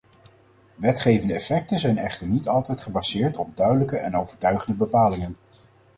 Wetgevende effecten zijn echter niet altijd gebaseerd op duidelijke en overtuigende bepalingen.